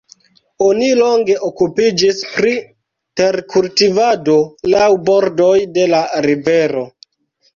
Oni longe okupiĝis pri terkultivado laŭ bordoj de la rivero.